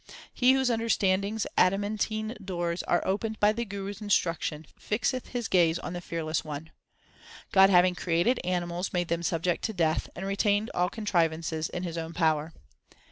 He whose understanding s adamantine doors are opened by the Guru s instruction, fixeth his gaze on the Fearless One. God having created animals made them subject to death, and retained all contrivances in his own power.